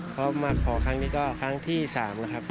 เพราะมาขอครั้งนี้ก็ครั้งที่๓นะครับ